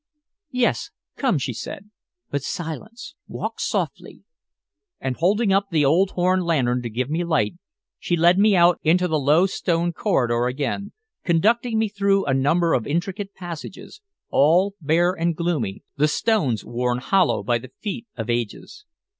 "Yes, come," she said. "But silence! Walk softly," and holding up the old horn lantern to give me light, she led me out into the low stone corridor again, conducting me through a number of intricate passages, all bare and gloomy, the stones worn hollow by the feet of ages.